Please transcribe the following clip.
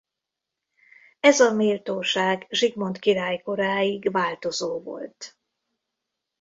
Ez a méltóság Zsigmond király koráig változó volt.